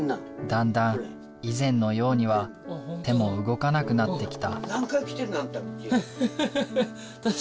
だんだん以前のようには手も動かなくなってきた。